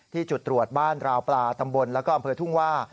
จุดตรวจบ้านราวปลาตำบลแล้วก็อำเภอทุ่งว่า